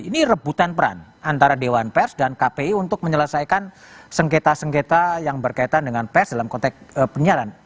ini rebutan peran antara dewan pers dan kpi untuk menyelesaikan sengketa sengketa yang berkaitan dengan pers dalam konteks penyiaran